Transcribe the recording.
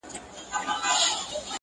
مار په خندا کي له ښامار سره خبرې کوي,